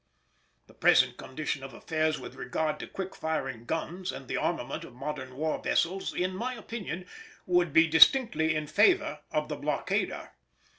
The present condition of affairs with regard to quick firing guns and the armament of modern war vessels, in my opinion, would be distinctly in favour of the blockader.